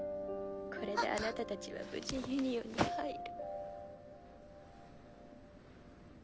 これであなたたちは無事ユニオンに入れ。